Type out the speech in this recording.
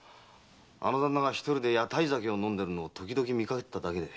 あの旦那が一人で屋台酒を飲んでるのをときどき見かけてただけで。